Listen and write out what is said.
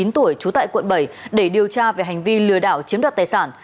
hai mươi chín tuổi chú tại quận bảy để điều tra về hành vi lừa đảo chiếm đặt tài sản